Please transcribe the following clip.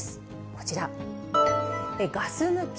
こちら、ガス抜き？